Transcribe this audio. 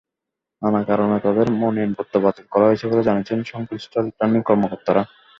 নানা কারণে তাঁদের মনোনয়নপত্র বাতিল করা হয়েছে বলে জানিয়েছেন সংশ্লিষ্ট রিটার্নিং কর্মকর্তারা।